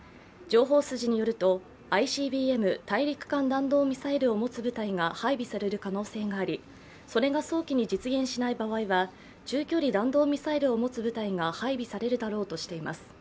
情報筋によるとＩＣＢＭ＝大陸間弾道ミサイルを持つ部隊が配備される可能性があり、それが早期に実現しない場合は中距離弾道ミサイルを持つ部隊が配備されるだろうとしています。